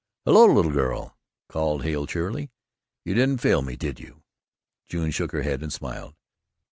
"Hello, little girl," called Hale cheerily, "you didn't fail me, did you?" June shook her head and smiled.